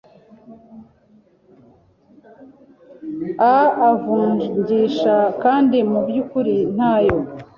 i amvugisha kandi mu byukuri ntayo